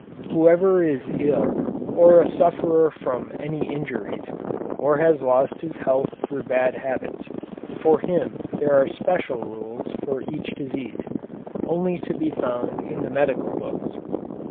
Whoever is ill or a sufferer from any injuries, or has lost his health through bad habits, for him there are special rules for each disease, only to be found in the medical books.